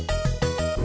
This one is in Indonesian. saya sudah selesai